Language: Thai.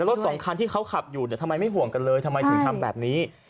รถสองคันที่เขาขับอยู่ทำไมไม่ห่วงกันเลยทำไมถึงทำแบบนี้